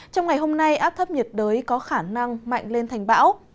trong ngày hôm nay áp thấp nhiệt đới có khả năng mạnh lên thành bão